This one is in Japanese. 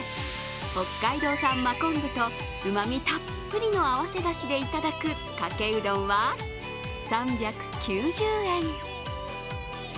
北海道産真昆布とうまみたっぷりの合わせだしでいただくかけうどんは３９０円。